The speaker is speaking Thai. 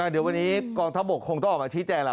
เดี๋ยววันนี้กองทัพบกคงต้องออกมาชี้แจงล่ะ